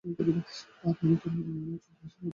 আর নতুন যন্ত্র হিসেবে যুক্ত হচ্ছে গুগল লেন্স।